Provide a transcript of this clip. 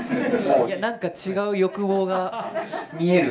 なんか違う欲望が見える。